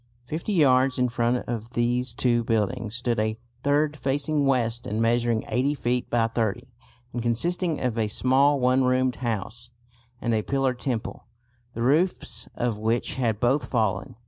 Fifty yards in front of these two buildings stood a third facing west and measuring 80 feet by 30 and consisting of a small one roomed house and a pillared temple, the roofs of which had both fallen.